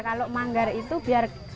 kalau manggar itu biar kuali dua belas jam